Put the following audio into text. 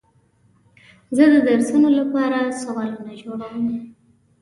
زه د درسونو لپاره سوالونه جوړوم.